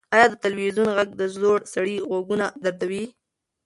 ایا د تلویزیون غږ د زوړ سړي غوږونه دردوي؟